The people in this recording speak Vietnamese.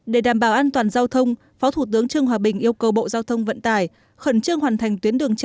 để đảm bảo an toàn giao thông phó thủ tướng trương hòa bình yêu cầu bộ giao thông vận tải khẩn trương hoàn thành tuyến đường